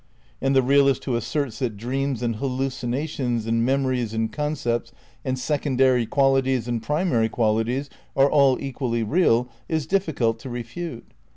And the realist who asserts that dreams and hallucinations and memories and con cepts and secondary qualities and primary qualities are all equally real, is difficult to refute.